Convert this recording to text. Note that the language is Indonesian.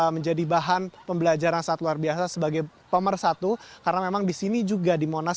menjadi bahan pembelajaran yang sangat luar biasa sebagai pemersatu karena memang di sini juga di monas